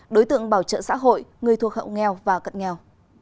đối tượng bảo trợ xã hội người thuộc hậu nghèo và cận nghèo